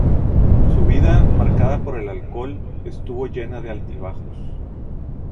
Su vida, marcada por el alcohol, estuvo llena de altibajos.